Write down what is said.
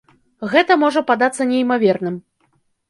Гэта можа падацца неймаверным.